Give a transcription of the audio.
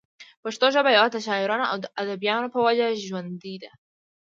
پښتو ژبه يوازې دَشاعرانو او اديبانو پۀ وجه ژوندۍ ده